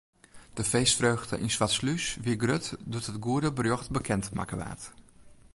De feestfreugde yn Swartslús wie grut doe't it goede berjocht bekend waard.